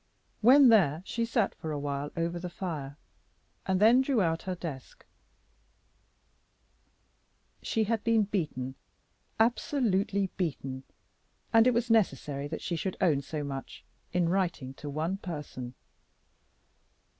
When there she sat for a while over the fire, and then drew out her desk. She had been beaten, absolutely beaten, and it was necessary that she should own so much in writing to one person.